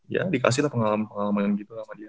ya dikasih lah pengalaman pengalaman gitu lah sama dia